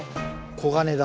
黄金だ。